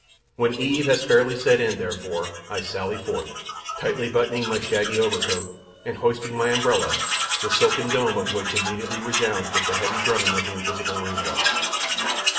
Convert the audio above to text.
When eve has fairly set in, therefore, I sally forth, tightly buttoning my shaggy overcoat, and hoisting my umbrella, the silken dome of which immediately resounds with the heavy drumming of the invisible rain drops.